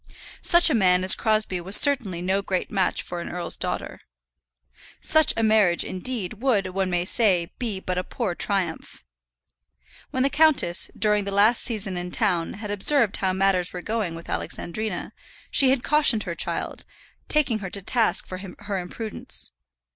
Such a man as Crosbie was certainly no great match for an earl's daughter. Such a marriage, indeed, would, one may say, be but a poor triumph. When the countess, during the last season in town, had observed how matters were going with Alexandrina, she had cautioned her child, taking her to task for her imprudence.